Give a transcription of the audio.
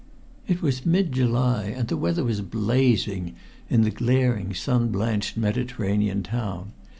It was in mid July, and the weather was blazing in the glaring sun blanched Mediterranean town.